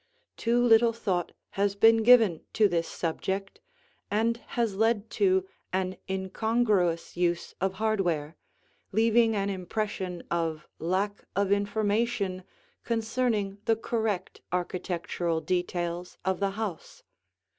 Too little thought has been given to this subject and has led to an incongruous use of hardware, leaving an impression of lack of information concerning the correct architectural details of the house.